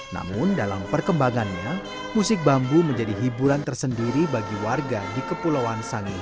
namun dalam perkembangannya musik bambu menjadi hiburan tersendiri bagi warga di kepulauan sangihe